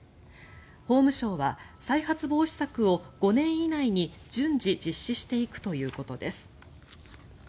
法務省は再発防止策を５年以内に順次実施していくということです。